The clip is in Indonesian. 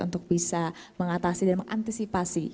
untuk bisa mengatasi dan mengantisipasi